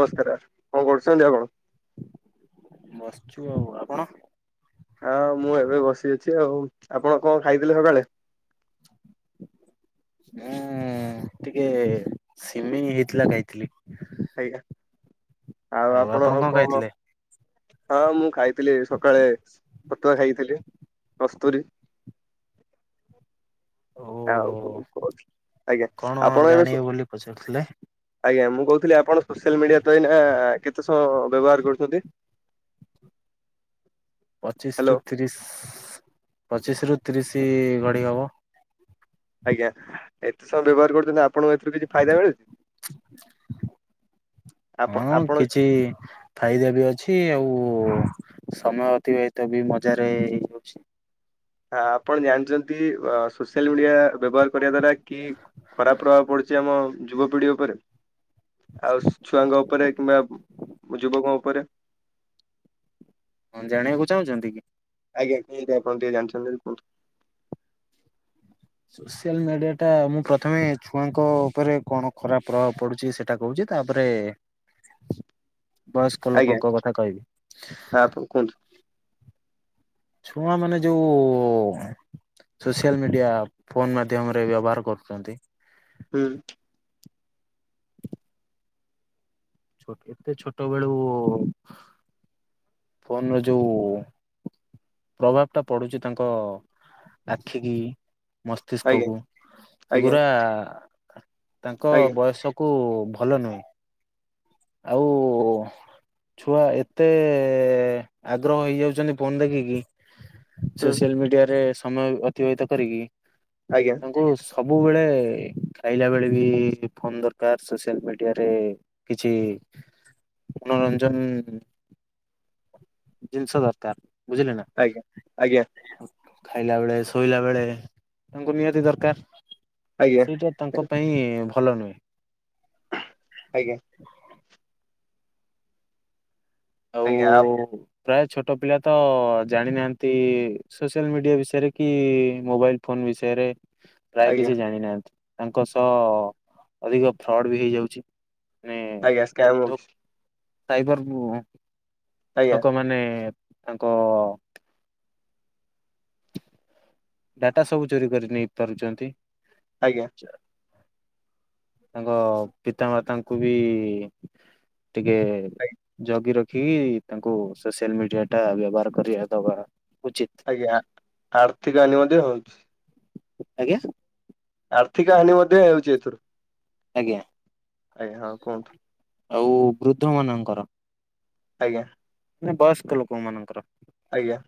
ନମସ୍କାର! କଣ କରୁଛନ୍ତି ଆପଣ? ବସିଛୁ ଆଉ ଆପଣ ହଁ ମୁଁ ଏବେ ବସି ଅଛି ଆଉ ଆପଣ କଣ ଖାଇଥିଲେ ସକାଳେ? ମୁଁ ଟିକେ ସିମେଇ ହେଇଥିଲା ଖାଇଥିଲି। ଆଜ୍ଞା! ଆଉ ଆପଣ କଣ ହଁ ମୁଁ ଖାଇଥିଲି ସକାଳେ ପତୁଆ ଖାଇଥିଲି କସ୍ତୁରୀ ଓ ଆଉ ପୁଣି କୋଉଠି ଆଜ୍ଞା! କଣ ଆପଣ ଏବେ ଜାଣିବେ ସ ବୋଲି ପଚାରୁଥିଲେ? ଆଜ୍ଞା! ମୁଁ କହୁଥିଲି ଆପଣ ସୋସିଆଲ ମିଡିଆ ତ ଏଇ ନା କେତେ ସମୟ ବ୍ୟବହାର କରୁଛନ୍ତି। ପଚିଶ ହ୍ୟାଲୋ ରୁ ତିରିଶ, ପଚିଶ ରୁ ତିରିଶ ଗଣି ହବ ଆଜ୍ଞା! ଏତେ ସବୁ ବ୍ୟବହାର କରୁଛନ୍ତି। ଆପଣଙ୍କୁ ଏଥିରୁ କିଛି ଫାଇଦା ମିଳୁଛି ଆପ ହଁ ଆପଣ କିଛି ଫାଇଦା ବି ଅଛି। ଆଉ ସମୟ ଅତିବାହିତ ବି ମଜାରେ ହେଇଯାଉଛି। ହ ଆପଣ ଜାଣିଛନ୍ତି। ସୋସିଆଲ ମିଡିଆ ବ୍ୟବହାର କରିବା ଦ୍ଵାରା କି ଖରାପ ପ୍ରଭାବ ପଡୁଛି। ଆମ ଯୁବପିଢି ଉପରେ, ଆଉ ଛୁଆଙ୍କ ଉପରେ କିମ୍ବା ଯୁବକ ଉପରେ। ହୁଁ, ଜାଣିବାକୁ ଚାହୁଁଚନ୍ତି କି? ଆଜ୍ଞା, କେନ୍ତି ଆପଣ ଟିକେ ଜାଣିଚନ୍ତି ଯଦି କୁହନ୍ତୁ? ସୋସିଆଲ ମିଡିଆ ଟା ମୁଁ ପ୍ରଥମେ ଛୁଆଙ୍କ ଉପରେ କଣ ଖରାପ ପ୍ରଭାବ ପଡୁଚି, ସେ ସେଟା କହୁଚି, ତାପରେ [inaudible] ବୟସ୍କ ଆଜ୍ଞା ଲୋକଙ୍କ କଥା ହଁ, କହିବି। ଆପଣ କୁହନ୍ତୁ? ଛୁଆ ମାନେ ଯୋଉ ସୋସିଆଲ ମିଡିଆ ଫୋନ ମାଧ୍ୟମରେ ବ୍ୟବହାର କରୁଚନ୍ତି? ହୁଁ। ଛୋଟ, ଏତେ ଛୋଟ ବେଳୁ ଉ ଉ ଫୋନ୍ ର ଯୋଉ ପ୍ରଭାବ ଟା ପଡୁଚି ତାଙ୍କ ଆଖିକି ମସ୍ତିଷ୍କ ଆଜ୍ଞା କୁ, ଆଜ୍ଞା ସେଗୁରା ତାଙ୍କ ଆଜ୍ଞା ବୟସକ୍ କୁ ଭଲ ନୁହେଁ, ଆଉ ଛୁଆ ଏତେ ତେ, ଆଗ୍ରହ ହେଇଯାଉଚନ୍ତି ଫୋନ ଦେଖିକି, ହୁଁ ସୋସିଆଲ୍ ମିଡିଆରେ ସମୟ ଅ ଅତିବାହିତ କରିକି ଆଜ୍ଞା। କିନ୍ତୁ ସବୁବେଳେ ଖାଇଲା ବେଳେ ବି ଫୋନ୍ ଦରକାର ସୋସିଆଲ୍ ମିଡିଆରେ କିଛି ମନୋରଞ୍ଜନ୍ ଜିନିଷ୍ ଦରକାର୍, ବୁଝିଲେ ନା? ଆଜ୍ଞା, ଆଜ୍ଞା। ଖାଇଲା ବେଳେ, ଶୋଇଲା ବେଳେ, ତାଙ୍କୁ ନିହାତି ଦରକାର୍। ଆଜ୍ଞା ସେଇଟା ତାଙ୍କ ପାଇଁ ଭଲ ନୁହେଁ। ଆଜ୍ଞା। ଆଉ ଆଜ୍ଞା, ଆ ପ୍ରାୟ ଛୋଟ ପିଲା ତ ଜାଣିନାହାନ୍ତି, ସୋସିଆଲ୍ ମିଡିଆ ବିଷୟରେ କି ମୋବାଇଲ୍ ଫୋନ୍ ବିଷୟରେ, ପ୍ରାୟ ଆଜ୍ଞା କିଛି ଜାଣି ନାହାନ୍ତି। ତାଙ୍କ ସହ ଅଧିକ ଫ୍ରଡ୍ ବି ହେଇଯାଉଚି, ମାନେ [unintelligible] ସାଇବର୍ [unintelligible] ଆଜ୍ଞା ଲୋକମାନେ ତାଙ୍କ୍ ଡାଟା ସବୁ ଚୋରି କରି ନେଇ ପାରୁଚନ୍ତି। ଆଜ୍ଞା। ତାଙ୍କ ପିତାମାତାଙ୍କୁ ବି ଟିକେ, ଆଜ୍ଞା ଜଗି ରଖିକି ତାଙ୍କୁ ସୋସିଆଲ୍ ମିଡିଆ ଟା ବ୍ୟବହାର କରିବା ଦବା ଉଚିତ୍। ଆଜ୍ଞା, ଆର୍ଥିକ ହାନି ମଧ୍ୟ ହଉଚି। ଆଜ୍ଞା। ଆର୍ଥିକ ହାନି ମଧ୍ୟ ହେଉଚି ଏଥିରୁ। ଆଜ୍ଞା, ଆଜ୍ଞା ହଁ କୁହନ୍ତୁ ଆଉ ବୃଦ୍ଧ ମାନଙ୍କର ଆଜ୍ଞା। ନା ବୟସ୍କ ଲୋକ ମାନଙ୍କର ଆଜ୍ଞା।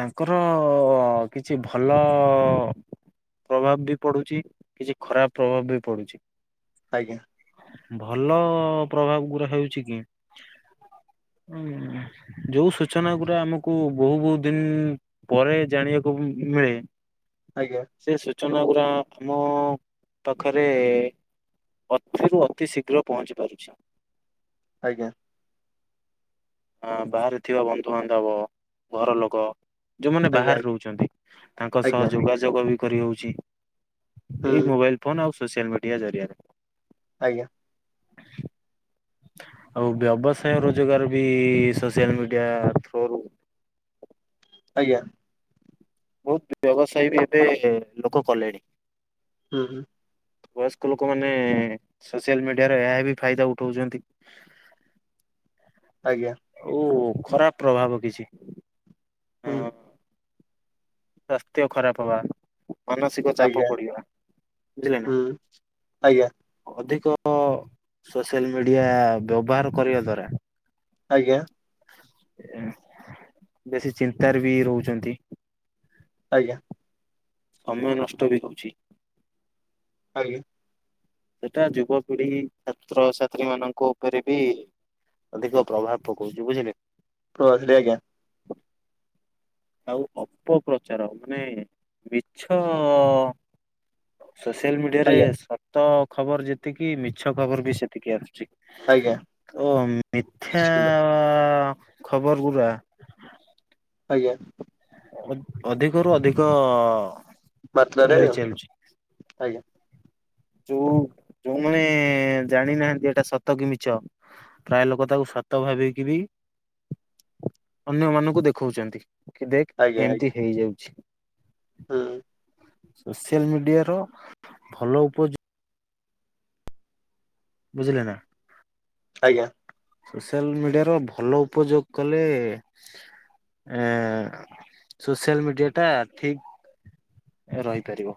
ତାଙ୍କର ଅ ଅ, କିଛି ଭଲ ପ୍ରଭାବ ବି ପଡୁଛି କିଛି ଖରାପ ପ୍ରଭାବ ବି ପଡୁଛି। ଆଜ୍ଞା। ଭଲ ପ୍ରଭାବ ଗୁରା ହଉଛି କି? ଯୋଉ ସୂଚନା ଗଡା ଆମକୁ ବହୁ ବହୁତ ଦିନ ପରେ ଜାଣିବାକୁ ମିଳେ। ଆଜ୍ଞା। ସେ ସୂଚନା ଗୁଡା ଆମ ପାଖରେ। ଯେହେତୁ ଅତି ଶୀଘ୍ର ପହଞ୍ଚି ପାରୁଛି। ଆଜ୍ଞା। ହଁ ବାହାରେ ଥିବା ବନ୍ଧୁବାନ୍ଧବ ଘର ଲୋକ। ଯୋଉମାନେ ବାହାରେ ରହୁଛନ୍ତି ତାଙ୍କ ସହ ଆଜ୍ଞା ଆଜ୍ଞା ଯୋଗାଯୋଗ ବି କରିହଉଛି। ଏଇ ହୁଁ ମୋବାଇଲ ଫୋନ ଆଉ ସୋସିଆଲ ମିଡିଆ ଜରିଆରେ। ଆଜ୍ଞା। ଆଉ ବ୍ୟବସାୟ ରୋଜଗାର ବି ସୋସିଆଲ ମିଡିଆ ଥ୍ରୋରୁ। ଆଜ୍ଞା। ବହୁତ ବ୍ୟବସାୟ ବି ଏବେ ଲୋକ କଲେଣି। ହୁଁ ହୁଁ। ବୟସ୍କ ଲୋକମାନେ ସୋସିଆଲ ମିଡିଆରେ ଏହା ବି ଫାଇଦା ଉଠୋଉଚନ୍ତି। ଆଜ୍ଞା। ଓ ଖରାପ ପ୍ରଭାବ କିଛି। ହଁ ହୁଁ। ସ୍ୱାସ୍ଥ୍ୟ ଖରାପ ହବା। ମାନସିକ ଚାପ ଆଜ୍ଞା ପଡିବା ବୁଝିଲେ ନା। ହୁଁ ଆଜ୍ଞା ଅଧିକ ସୋସିଆଲ ମିଡିଆ ବ୍ୟବହାର କରିବା ଦ୍ଵାରା। ଆଜ୍ଞା। ବେଶୀ ଚିନ୍ତାରେ ବି ରହୁଚନ୍ତି। ଆଜ୍ଞା। ସମୟ ନଷ୍ଟ ବି ହଉଛି। ଆଜ୍ଞା। ତଥା ଯୁବପିଢି ଛାତ୍ରଛାତ୍ରୀ ମାନଙ୍କ ଉପେରେ ବି ଅଧିକ ପ୍ରଭାବ ପକଉଚି ବୁଝିଲେ। ରହିଲି ଆଜ୍ଞା। ଆଉ ଅପପ୍ରଚାର ମାନେ ମିଛ ସୋସିଆଲ ମିଡିଆରେ ଆଜ୍ଞା ସତ ଖବର ଯେତିକି ମିଛ ଖବର ବି ସେତିକି ଅଛି। ଆଜ୍ଞା ତ ମିଥ୍ୟା ନିଶ୍ଚିନ୍ତ ଖବର ଗୁରା। ଆଜ୍ଞା। ଅଧିକରୁୁ ଅଧିକ। ମତ୍ରାରେ ଘୁରି ଚାଲୁଛି ଆଜ୍ଞା। ଯୋଉ ଯୋଉମାନେ ଜାଣିନାହାନ୍ତି ଏଟା ସତ କି ମିଛ। ପ୍ରାୟ ଲୋକ ତାକୁ ସତ ଭାବିକି ବି ଅନ୍ୟ ମାନଙ୍କୁ ଦେଖାଉଚନ୍ତି। କି ଦେଖ୍ ଆଜ୍ଞା ଏମିତି ଆଜ୍ଞା ହେଇଯାଉଛି। ହୁଁ। ସୋସିଆଲ୍ ମିଡିଆର ଭଲ ଉପଯୋ ବୁଝିଲେ ନା। ଆଜ୍ଞା। ସୋସିଆଲ୍ ମିଡିଆ ର ଭଲ ଉପଯୋଗ କଲେ ଏଁ ସୋସିଆଲ୍ ମିଡିଆ ଟା ଠିକ୍ ରହିପାରିବ।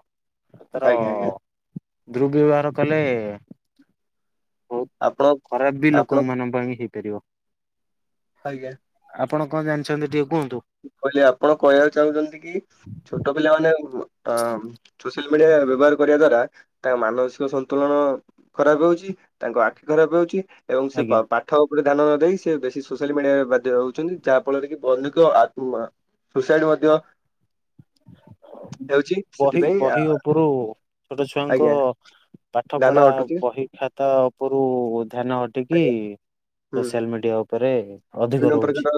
ତାର ଆଜ୍ଞା ଆଜ୍ଞା ଦୁର୍ବ୍ୟବହାର କଲେ ବହୁତ୍ ଆପଣ ଖରାପ ବି ଆପଣ ଲୋକଙ୍କମାନଙ୍କ ପାଇଁ ହେଇପାରିବ। ଆଜ୍ଞା। ଆପଣ କଣ ଜାଣିଚନ୍ତି ଟିକେ କୁହନ୍ତୁ। ମୁଁ କହିଲି ଆପଣ କହିଆକୁ ଚାହୁଁଚନ୍ତି କି ଛୋଟ ପିଲାମାନେ ଉ ଆଁ ସୋସିଆଲ ମିଡିଆ ବ୍ୟବହାର କରିବା ଦ୍ଵାରା ତାଙ୍କ ମାନସିକ ସନ୍ତୁଳନ ଖରାପ ହଉଚି, ତାଙ୍କ ଆଖି ଖରାପ ହଉଚି। ଏବଂ ସେ ଆଜ୍ଞା ପା ପାଠ ଉପରେ ଧ୍ୟାନ ନ ଦେଇ ସେ ବେଶୀ ସୋସିଆଲ ମିଡ଼ିଆରେ ବାଧ୍ୟ ରହୁଛନ୍ତି। ଯାହାଫଳରେ କି ବନ୍ଧୁଙ୍କ ଉମ୍ ଆଁ ସୁସାଇଡ ମଧ୍ୟ ହେଉଛି। ବହି ସେଥିପାଇଁ ବହି ଉପୁରୁ ଛୋଟ ଛୁଆଙ୍କ ଆଜ୍ଞା ପାଠ ଧାନ ପଢା ଅଟୁଛି ବହି ଖା ତା ଉପୁରୁ ଧ୍ୟାନ ହଟିକି ଆଜ୍ଞା ହୁଁ। ସୋସିଆଲ ମିଡିଆ ଉପରେ ଅଧିକ ବିଭିନ୍ନ ରହୁଛି। ପ୍ରକାର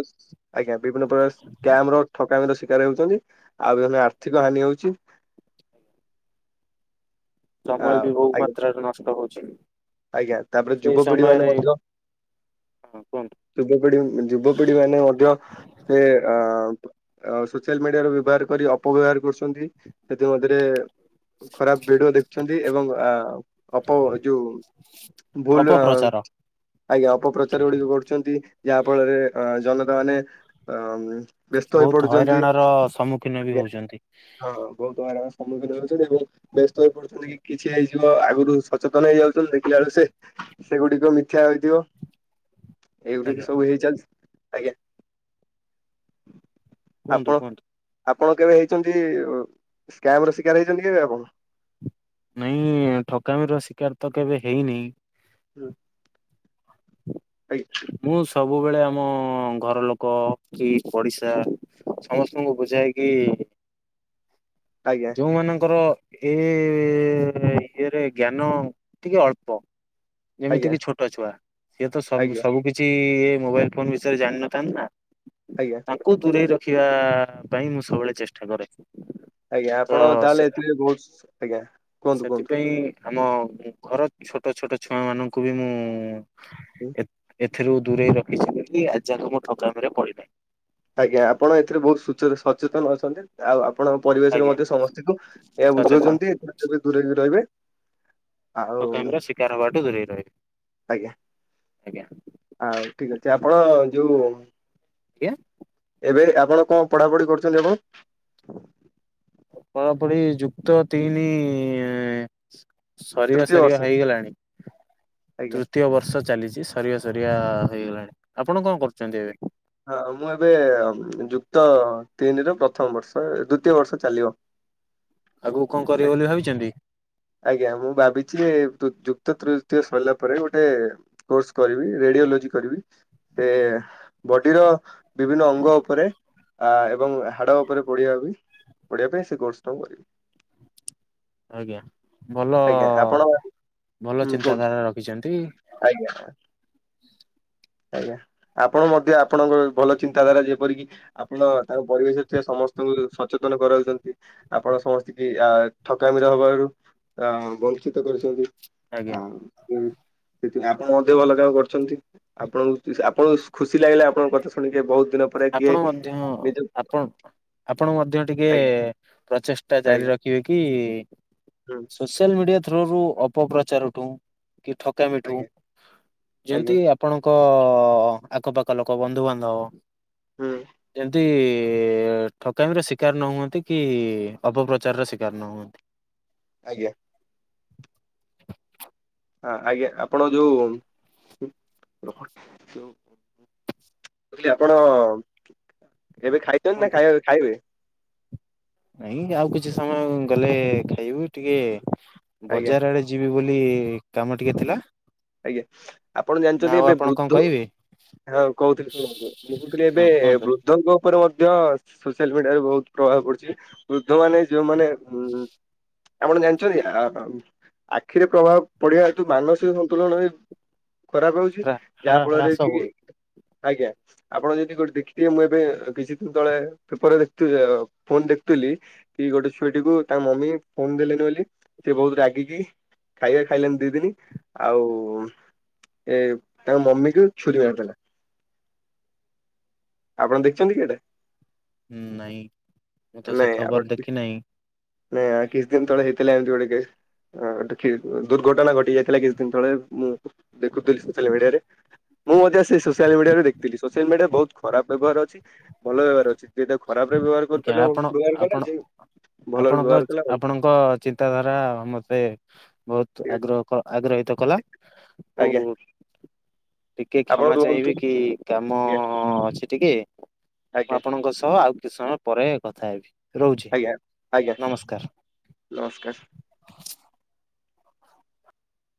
ଆଜ୍ଞା ବିଭିନ୍ନ ପ୍ରକାର ସ୍କାମର ଠକାମିର ଶିକାର ହେଉଛନ୍ତି ଆଉ ଗଲେ ଆର୍ଥିକ ହାନି ହଉଚି। ସମୟ ଆଉ ବି ବହୁ ଆଜ୍ଞା ମାତ୍ରାରେ ନଷ୍ଟ ହଉଛି। ଆଜ୍ଞା ତାପରେ ସେଇ ଯୁବପିଢି ମାନେ ସମୟରେ ମଧ୍ୟ ହଁ କୁହନ୍ତୁ। ଯୁବପିଢି ଯୁବପିଢି ମାନେ ମଧ୍ୟ ସେ ଅ ଅ ସୋସିଆଲ ମିଡିଆର ବ୍ୟବହାର କରି ଅପବ୍ୟବହାର କରୁଛନ୍ତି ସେଥିମଧ୍ୟରେ ଖରାପ ଭିଡିଓ ଦେଖୁଛନ୍ତି ଏବଂ ଆ ଅପ ଯୋଉ ହ [inaudible] ଭୁଲ ଆଜ୍ଞା ଅପପ୍ରଚାର ଗୁଡିକ କରୁଛନ୍ତି ଯାହା ଫଳରେ ଅ ଜନତା ମାନେ ଅଁ। ବହୁତ ହଇରାଣର ସମ୍ମୁଖୀନ ବି ଆଜ୍ଞା ହଉଛନ୍ତି। ହଁ ବହୁତ ହଇରାଣର ସମ୍ମୁଖୀନ ହେଉଛନ୍ତି ଏବଂ ବ୍ୟସ୍ତ ହୋଇ ପଡୁଛନ୍ତି କି କିଛି ହେଇଯିବ ଆଗରୁ ସଚେତନ ହେଇଯାଉଛି। ଦେଖିଲା ବେଳକୁ ସେ ସେଗୁଡିକ ମିଥ୍ୟା ହୋଇଥିବ। ଏଗୁଡ଼ିକ ଆଜ୍ଞା। ସବୁ ହେଇ ଚାଲିଛି ଆଜ୍ଞା। କୁହନ୍ତୁ ଆପଣ କୁହନ୍ତୁ। ଆପଣ କେବେ ହେଇଛନ୍ତି ସ୍କାମର ଶିକାର ହେଇଛନ୍ତି କେବେ ଆପଣ? ନାଇଁ ଠକାମିର ଶିକାର ତ କେବେ ହେଇନାହିଁ। ହୁଁ ଆଜ୍ଞା। ମୁଁ ସବୁବେଳେ ଆମ ଘର ଲୋକ କି ପଡିଶା ସମସ୍ତଙ୍କୁ ବୁଝାଏ କି ଆଜ୍ଞା। ଯୋଉମାନଙ୍କର ଏ ଇଏରେ ଜ୍ଞାନ ଟିକେ ଅଳ୍ପ ଯେମିତି ଆଜ୍ଞା କିି ଛୋଟ ଛୁଆ ସିଏ ତ ସବୁ କିଛି ଏ ମୋବାଇଲ ଫୋନ ବିଷୟରେ ଜାଣିନଥାନ୍ତ ନା। ଆଜ୍ଞା। ତାକୁ ଦୂରେଇ ରଖିବା ପାଇଁ ମୁଁ ସବୁବେଳେ ଚେଷ୍ଟା କରେ। ଆଜ୍ଞା ତ ଆପଣ ସେ ତାହେଲେ ଏଥିରେ ବହୁତ ଆଜ୍ଞା କୁହନ୍ତୁ କୁହନ୍ତୁ। ସେଥିପାଇଁ ଆମ ଘର ଛୋଟ ଛୋଟ ଛୁଆ ମାନଙ୍କୁ ବି ମୁଁ ହୁଁ। ଏ ଏଥିରୁ ଦୂରେଇ ରଖିଛି ବୋଲି ଆଜି ଯାକ ମୁଁ ଠକାମିରେ ପଡିନାହିଁ। ଆଜ୍ଞା ଆପଣ ଏଥିରେ ବହୁତ ସଚେ ସଚେତନ ଅଛନ୍ତି। ଆଉ ଆପଣଙ୍କ ପରିବେଶରେ ଆଜ୍ଞା ମଧ୍ୟ ସମସ୍ତଙ୍କୁ ଏହା ସଚେତନ ବୁଝଉଛନ୍ତି ଏଥିରୁ ଦୂରେଇକି ରହିବେ। ଆଉ ଠକାମି ର ଶିକାର ହବାଠୁ ଦୂରେଇ ରହି ଆଜ୍ଞା। ଆ ଠିକ ଅଛି ଆପଣ ଯୋଉ କିଏ? ଏବେ ଆପଣ କଁ ପଢାପଢି କରୁଛନ୍ତି ଆପଣ? ପଢ଼ାପଢି ଯୁକ୍ତ ତିନି ସରିବା ତୃତୀୟ ବର୍ଷ ସରିବା ହେଇଗଲାଣି ଆଜ୍ଞା। ତୃତୀୟ ବର୍ଷ ଚାଲିଚି। ସରିଆ ସରିଆ ହେଇଗଲାଣି ଆପଣ କଁ କରୁଚନ୍ତି ଏବେ? ହଁ ମୁଁ ଏବେ ଯୁକ୍ତ ତିନି ର ପ୍ରଥମ ବର୍ଷ ଦ୍ଵିତୀୟ ବର୍ଷ ଚାଲିବ। [unintelligible] ଆଗୁକୁ କଁ କରିବେ ବୋଲି ଭାବିଚନ୍ତି? ଆଜ୍ଞା ମୁଁ ଭାବିଚି ଯୁକ୍ତ ତୃତୀୟ ସରିଲା ପରେ ଗୋଟେ କୋର୍ସ କରିବି ରେଡିଓଲୋଜି କରିବି ସେ ବଡିର ବିଭିନ୍ନ ଅଙ୍ଗ ଉପରେ ଆ ଏବଂ ହାଡ ଉପରେ ଓଡ଼ିଆ ବି ପଢିବା ପାଇଁ ସେ କୋର୍ସ ଟା ମୁଁ କରିବି। ଆଜ୍ଞା ଭଲ ଆଜ୍ଞା ଆପଣ ଭଲ ହୁଁ କୁହନ୍ତୁ ଚିନ୍ତାଧାରା ରଖିଚନ୍ତି। ଆଜ୍ଞା। ଆଜ୍ଞା ଆପଣ ମଧ୍ୟ ଆପଣଙ୍କର ଭଲ ଚିନ୍ତାଧାରା ଯେପରିକି ଆପଣ ତାଙ୍କ ପରିବେଶ ରେ ଥିବା ସମସ୍ତଙ୍କୁ ସଚେତନ କରାଉଚନ୍ତି। ଆପଣ ସମସ୍ତିକି ଆ ଠକାମିର ହବାରୁ ଅ ବଞ୍ଚିତ କରିଚନ୍ତି। ଆଜ୍ଞା ଆଉ ସେଥିପାଇଁ ଆପଣ ମଧ୍ୟ ଭଲ କାମ କରଚନ୍ତି। ଆପଣଙ୍କୁ ଆପଣଙ୍କୁ ଖୁସି ଲାଗିଲା ଆପଣଙ୍କ କଥା ଶୁଣିକି ବହୁତ। ଦିନ ପରେ କିଏ ଆପଣ ମଧ୍ୟ ନିଜ ଆପ ଆପଣ ମଧ୍ୟ ଟିକେ ଆଜ୍ଞା ପ୍ରଚେଷ୍ଟା ଜାରି ଆଜ୍ଞା ରଖିବେ କି ହୁଁ ସୋସିଆଲ ମିଡିଆ ଥ୍ରୋଓରୁ ଅପପ୍ରଚାର ଠୁ କି ଠକାମିଠୁ ଆଜ୍ଞା ଆଜ୍ଞା ଯେମିତି ଆପଣଙ୍କ ଆଖପାଖ ଲୋକ ବନ୍ଧୁବାନ୍ଧବ ହୁଁ। ଯେମତି ଠକାମିର ଶିକାର ନ ହୁଅନ୍ତି କି ଅପପ୍ରଚାର ର ଶିକାର ନ ହୁଅନ୍ତି। ଆଜ୍ଞା। ଆ ଆଜ୍ଞା ଆପଣ ଯୋଉ ରହ ଯୋଉ ଲି ଆପଣ ଏବେ ଖାଇଚନ୍ତି ନା କୁହନ୍ତୁ ଖାଇ ଖାଇବେ? ନାଇଁ ଆଉ କିଛି ସମୟ ଗଲେ ଖାଇବୁ ଟିକେ ଆଜ୍ଞା ବଜାର ଆଡେ ଯିବି ବୋଲି କାମ ଟିକେ ଥିଲା। ଆଜ୍ଞା ଆପଣ ନା ଜାଣିଚନ୍ତି ଆଉ ଏବେ ଆପଣ କଣ ବୃଦ୍ଧ କହିବେ ହଁ କହୁଥିଲି ଶୁଣନ୍ତୁ ମୁଁ କହୁଥିଲି ଏବେ ହଁ କୁହନ୍ତୁ ବୃ ଧ ଙ୍କ ଉପରେ ମଧ୍ୟ ସୋସିଆଲ ମିଡିଆରେ ବହୁତ ପ୍ରଭାବ ପଡଚି। ବୃଦ୍ଧ ମାନେ ଯୋଉମାନେ ଉଁ ଆପଣ ଜାଣିଚନ୍ତି ଆ ଆଖିରେ ପ୍ରଭାବ ପଡିବା ହେତୁ ମାନସିକ ସ ତୁଳନ ବି ଖରାପ ହଉଚି ଯାହା ଫଳରେ ହ୍ରାସ କି ହୁଏ ଆଜ୍ଞା। ଆପଣ ଯଦି ଗୋଟେ ଦେଖିଥେ ମୁଁ ଏବେ କିଛି ଦିନ ତଳେ ପେପରରେ ଦେଖୁଥିଲି ଫୋନ ଦେଖୁଥିଲି କି ଗୋଟେ ଛୁଆଟି କୁ ତାଙ୍କ ମମି ଫୋନ ଦେଲେନି ବୋଲି ସେ ବହୁତ ରାଗିକି ଖାଇବା ଖାଇଲାନି ଦି ଦିନି ଆଉ ଏ ତାଙ୍କ ମମିକୁ ଛୁରୀ ମାରିଦେଲା। ଆପଣ ଦେଖଚନ୍ତି କି ଏଟା? ଉଁ ନାଇଁ ମୁଁ ତ ସେ ଖବର ଦେଖି ନାହିଁ। ନେ ଆ କିଛି ଦିନ ତଳେ ହେଇଥିଲା ଏମିତି ଗୋଟେ କେସ୍। ହଁ, ଟିକେ ଦୁର୍ଘଟଣା ଘଟି ଯାଇଥିଲା କିଛି ଦିନ ତଳେ ମୁଁ ଦେଖୁଥିଲି ସୋସିଆଲ ମିଡିଆରେ। ମୁଁ ମଧ୍ୟ ସେ ସୋସିଆଲ ମିଡିଆରୁ ଦେଖଥିଲି, ସୋସିଆଲ ମିଡିଆ ବହୁତ ଖରାପ ବ୍ୟବହାର ଅଛି। ଭଲ ବ୍ୟବହାର ଅଛି, ଯେ ତାକୁ ଖରାପରେ ବ୍ୟବହାର କରି ପାରିଲା ଆପଣ [unintelligible] ଆପଣ ଜାଣିପାରିଲାନି ଜିଏ ଆପଣଙ୍କ, ଆପଣଙ୍କ ଚିନ୍ତାଧାରା ମତେ ବହୁତ ଠିକ ଅଛି ଆଗ୍ରହ ଆଗ୍ରହିତ କଲା। ଓ ଆଜ୍ଞା ଟିକେ ଆପଣ କ୍ଷମା ରୁହନ୍ତୁ ଚାହିଁବି କି, କାମ ଆଜ୍ଞା ଅଛି ଟିକେ ମୁଁ ଆଜ୍ଞା ଆପଣଙ୍କ ସହ ଆଉ କିଛି ସମୟ ପରେ କଥା ହେବି? ରହୁଛି ଆଜ୍ଞା। ଆଜ୍ଞା। ନମସ୍କାର। ନମସ୍କାର।